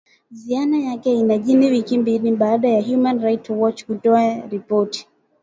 Ziara yake inajiri wiki mbili baada ya Human Rights Watch kutoa ripoti